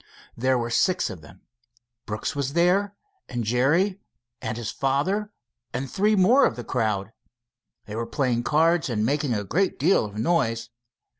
There were six of them. Brooks was there, and Jerry and his father, and three more of the crowd. They were playing cards and making a great deal of noise.